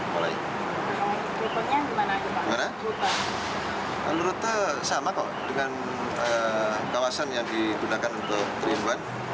kalau rute sama kok dengan kawasan yang digunakan untuk tiga in satu